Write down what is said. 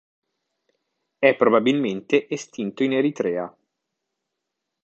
È probabilmente estinto in Eritrea.